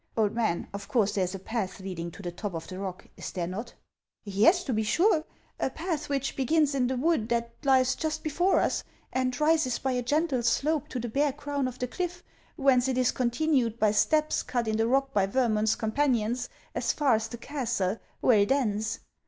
"Old man, of course there is a path leading to the top of the rock, is there not ?"" Yes, to be sure ; a path which begins in the wood that lies just before us, and rises by a gentle slope to the bare crown of the cliff, whence it is continued by steps cut in the rock by Vermund's companions, as far as the castle, where it ends.